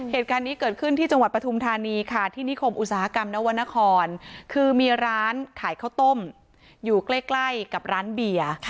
เหตุการณ์นี้เกิดขึ้นที่จังหวัดปฐุมธานีค่ะที่นิคมอุตสาหกรรมนวรรณครคือมีร้านขายข้าวต้มอยู่ใกล้กับร้านเบียร์